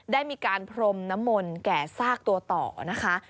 ได้มีการพรมน้ำมนต์แก่ซากตัวต่อนะคะ